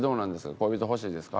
恋人欲しいですか？